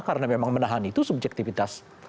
karena memang menahan itu subjektivitas